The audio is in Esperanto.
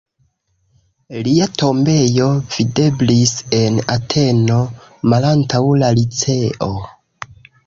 Lia tombejo videblis en Ateno, malantaŭ la Liceo.